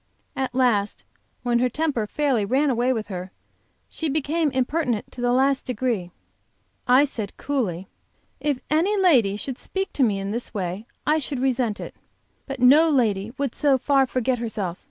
At last, when her temper fairly ran away with her, and she became impertinent to the last degree, I said, coolly: "If any lady should speak to me in this way I should resent it. But no lady would so far forget herself.